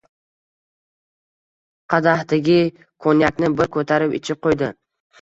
Qadahdagi konyakni bir ko‘tarib ichib qo‘ydi.